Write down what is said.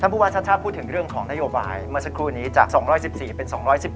พูดถึงเรื่องของนโยบายเมื่อสักครู่นี้จาก๒๑๔เป็น๒๑๖